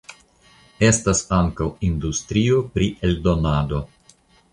Estas ankaŭ industrio pri eldonado.